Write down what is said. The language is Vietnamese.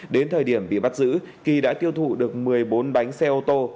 đến thời điểm bị bắt giữ kỳ đã tiêu thụ được một mươi bốn bánh xe ô tô